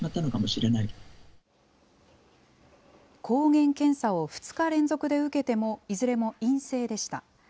抗原検査を２日連続で受けても、いずれも陰性でした。